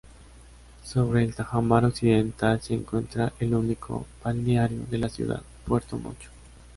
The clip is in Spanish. Sobre el tajamar occidental se encuentra el único balneario de la ciudad, Puerto Mocho.